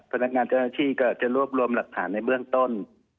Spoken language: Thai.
พนักงานเจ้าหน้าที่ก็จะรวบรวมหลักฐานในเบื้องต้น